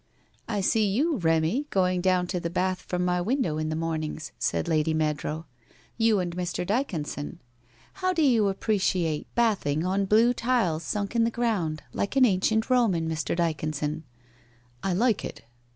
* I see you, Remy, going down to the bath from my window in the mornings/ said Lady Meadrow, ' you and Mr. Dyconson. How do you appreciate bathing on blue tiles sunk in the ground, like an ancient Roman, Mr. Dyconson ?'* I like it.'